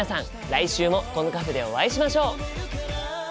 来週もこのカフェでお会いしましょう！